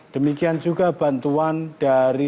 demikian juga bantuan dari